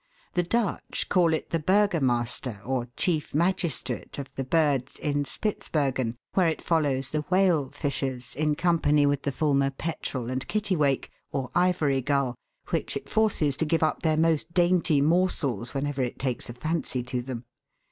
The Dutch call it the Burgomaster or Chief Magistrate of the birds in Spitzbergen, where it follows the whale fishers, in company with the Fulmar Petrel and Kittiwake, or Ivory gull, which it forces to give up their most dainty morsels whenever it takes a fancy to them.